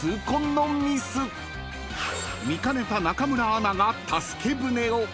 ［見かねた中村アナが助け舟を］